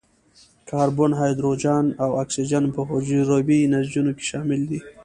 کاربن، هایدروجن او اکسیجن په حجروي نسجونو کې شامل دي.